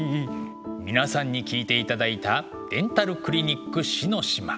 皆さんに聴いていただいた「デンタルクリニック死の島」。